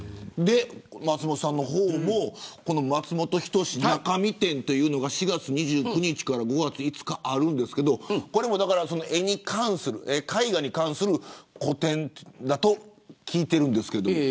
松本さんの方も松本人志なかみ展というのが４月２９日から５月５日にあるんですけどこれも絵画に関する個展だと聞いてるんですけど。